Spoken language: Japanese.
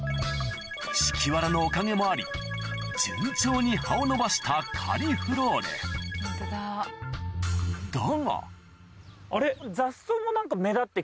敷き藁のおかげもあり順調に葉を伸ばしたカリフローレだがあれ？